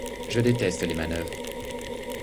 Je déteste les manœuvres.